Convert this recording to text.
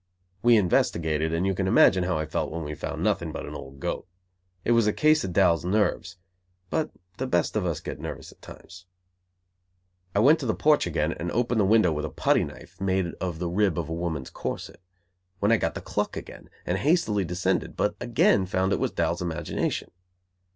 We investigated, and you can imagine how I felt when we found nothing but an old goat. It was a case of Dal's nerves, but the best of us get nervous at times. I went to the porch again and opened the window with a putty knife (made of the rib of a woman's corset), when I got the "cluck" again, and hastily descended, but again found it was Dal's imagination.